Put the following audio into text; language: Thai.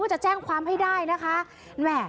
จะแจ้งความให้ได้นะคะ